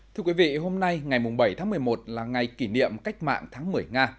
thưa quý vị hôm nay ngày bảy tháng một mươi một là ngày kỷ niệm cách mạng tháng một mươi nga